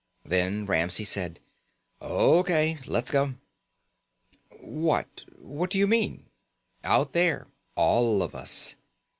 Then Ramsey said: "O.K. Let's go." "What what do you mean?" "Out there. All of us."